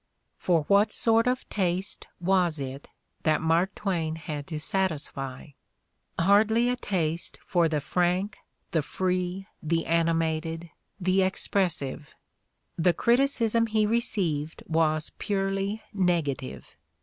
For what sort of taste was it that Mark Twain had to satisfy? Hardly a taste for the frank, the free, the animated, the expressive! The criticism he received was purely negative.